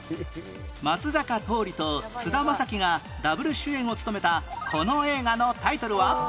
松坂桃李と菅田将暉がダブル主演を務めたこの映画のタイトルは？